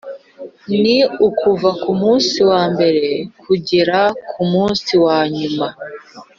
ni ukuva ku munsi wa mbere kugera ku munsi wa nyuma